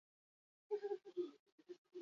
Zergatik dira horren maitatuak?